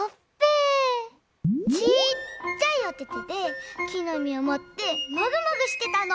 ちっちゃいおててできのみをもってモグモグしてたの！